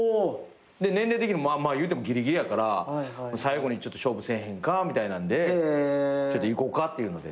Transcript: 年齢的にもギリギリやから最後に勝負せえへんかみたいなんでちょっといこうかっていうので。